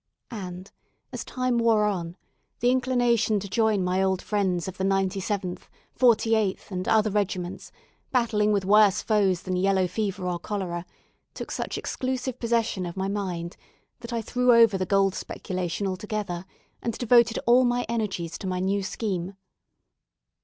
And, as time wore on, the inclination to join my old friends of the 97th, 48th, and other regiments, battling with worse foes than yellow fever or cholera, took such exclusive possession of my mind, that I threw over the gold speculation altogether, and devoted all my energies to my new scheme.